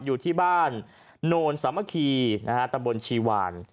อยู่ที่บ้านโนนสามัคคีนะฮะตำบลชีวาน